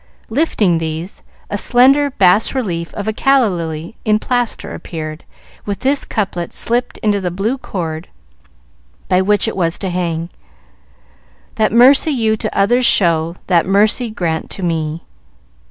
Lifting these, a slender bas relief of a calla lily in plaster appeared, with this couplet slipped into the blue cord by which it was to hang: "That mercy you to others show That Mercy Grant to me."